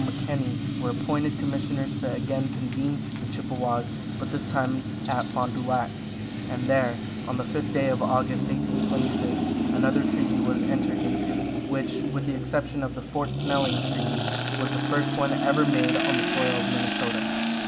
McKenney were appointed commissioners to again convene the Chippewas, but this time at Fond du Lac, and there, on the fifth day of August, 1826, another treaty was entered into, which, with the exception of the Fort Snelling treaty, was the first one ever made on the soil of Minnesota.